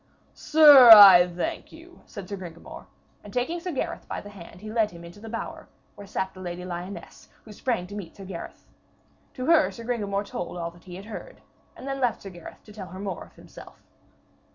'Sir, I thank you,' said Sir Gringamor, and taking Sir Gareth by the hand he led him into the bower where sat the Lady Lyones, who sprang to meet Sir Gareth. To her Sir Gringamor told all that he had heard, and then left Sir Gareth to tell her more of himself.